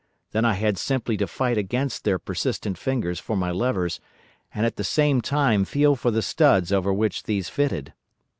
Then I had simply to fight against their persistent fingers for my levers, and at the same time feel for the studs over which these fitted.